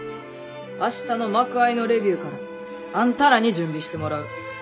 明日の幕あいのレビューからあんたらに準備してもらう。